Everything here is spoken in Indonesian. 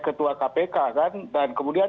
ketua kpk kan dan kemudian